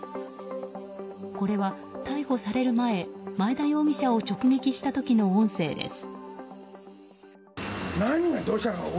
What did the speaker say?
これは逮捕される前前田容疑者を直撃した時の音声です。